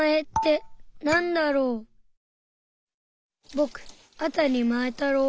ぼくあたりまえたろう。